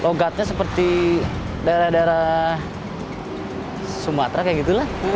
logatnya seperti daerah daerah sumatera kayak gitu lah